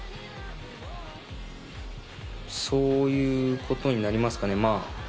そういうことになりますかね。